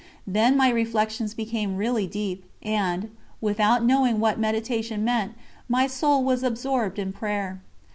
Then my reflections became really deep, and, without knowing what meditation meant, my soul was absorbed in prayer.